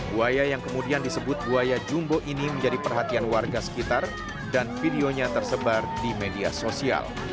buaya yang kemudian disebut buaya jumbo ini menjadi perhatian warga sekitar dan videonya tersebar di media sosial